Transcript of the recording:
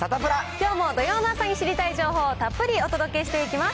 きょうも土曜の朝に知りたい情報をたっぷりお届けしていきます。